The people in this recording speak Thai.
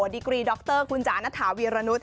ดิกรีดรคุณจานทาเวียระนุษย์